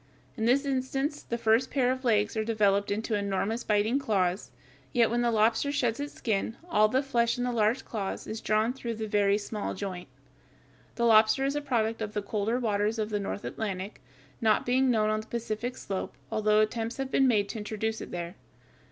In this instance the first pair of legs are developed into enormous biting claws; yet when the lobster sheds its skin all the flesh in the large claws is drawn through the very small joint. The lobster is a product of the colder waters of the North Atlantic, not being known on the Pacific slope, although attempts have been made to introduce it there.